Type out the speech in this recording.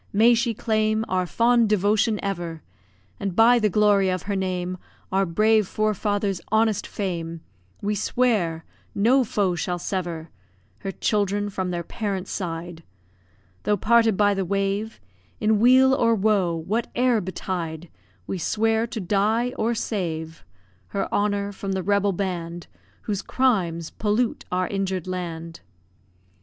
May she claim Our fond devotion ever; And, by the glory of her name, Our brave forefathers' honest fame, We swear no foe shall sever Her children from their parent's side; Though parted by the wave, In weal or woe, whate'er betide, We swear to die, or save Her honour from the rebel band Whose crimes pollute our injured land!